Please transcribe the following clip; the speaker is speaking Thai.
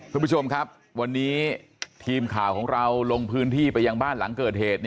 คุณผู้ชมครับวันนี้ทีมข่าวของเราลงพื้นที่ไปยังบ้านหลังเกิดเหตุ